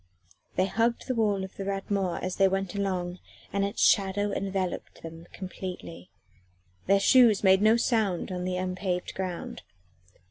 They hugged the wall of the Rat Mort as they went along and its shadow enveloped them completely: their shoes made no sound on the unpaved ground.